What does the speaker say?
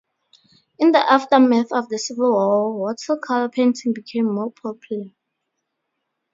In the aftermath of the Civil War, watercolor painting became more popular.